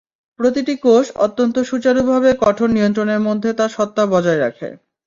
প্রতিটি কোষ অত্যন্ত সুচারুভাবে কঠোর নিয়ন্ত্রণের মধ্যে তার সত্তা বজায় রাখে।